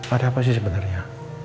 ada apa sih sebenernya